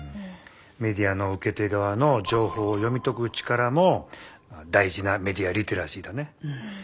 メディアの受け手がわの情報を読み解く力も大事なメディア・リテラシーだね。